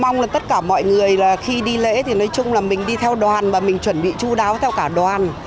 nói chung là mình đi theo đoàn và mình chuẩn bị chú đáo theo cả đoàn